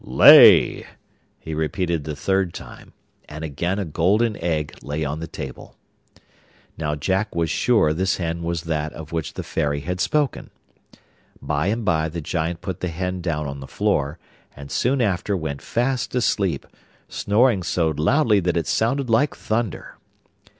'Lay!' he repeated the third time. And again a golden egg lay on the table. Now Jack was sure this hen was that of which the fairy had spoken. By and by the Giant put the hen down on the floor, and soon after went fast asleep, snoring so loud that it sounded like thunder.